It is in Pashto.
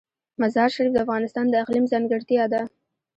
مزارشریف د افغانستان د اقلیم ځانګړتیا ده.